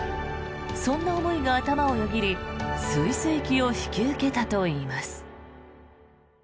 そんな思いが頭をよぎりスイス行きを引き受けたといいます。